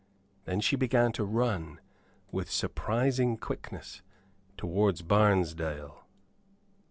Then she began to run, with surprising quickness, towards Barnesdale.